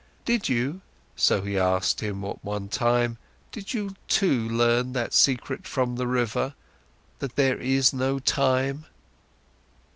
"Did you," so he asked him at one time, "did you too learn that secret from the river: that there is no time?"